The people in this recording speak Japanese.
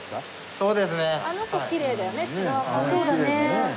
そうだね。